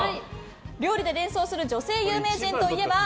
料理で連想する女性有名人といえば？